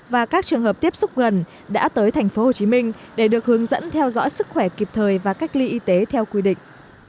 và các trường hợp tiếp xúc gần đã tới tp hcm để được hướng dẫn theo dõi sức khỏe kịp thời và cách ly y tế theo quy định